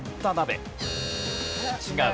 違う。